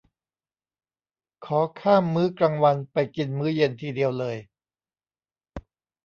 ขอข้ามมื้อกลางวันไปกินมื้อเย็นทีเดียวเลย